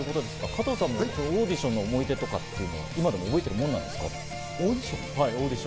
加藤さんもオーディションの思い出とかっていうのは今でも覚えているものですか？